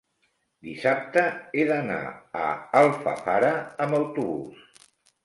Dissabte he d'anar a Alfafara amb autobús.